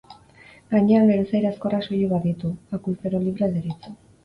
Gainean geruza irazkorrak soilik baditu, akuifero libre deritzo.